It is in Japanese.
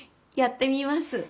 やってみます。